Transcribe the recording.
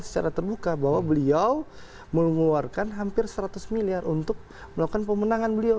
secara terbuka bahwa beliau mengeluarkan hampir seratus miliar untuk melakukan pemenangan beliau